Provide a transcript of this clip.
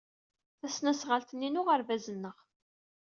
Tasnasɣalt-nni n uɣerbaz-nneɣ.